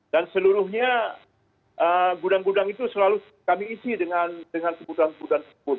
dan seluruhnya gudang gudang itu selalu kami isi dengan kebutuhan kebutuhan tersebut